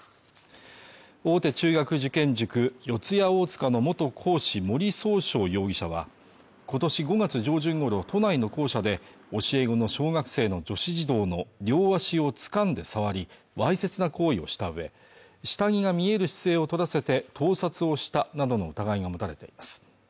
大手中学受験塾四谷大塚の元講師森崇翔容疑者は今年５月上旬ごろ都内の校舎で教え子の小学生の女子児童の両足を掴んで触りわいせつな行為をしたうえ下着が見える姿勢をとらせて盗撮をしたなどの疑いが持たれています